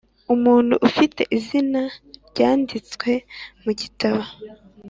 Umuntu Ufite Izina Ryanditse Mu Gitabo